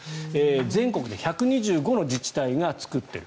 全国で１２５の自治体が作っている。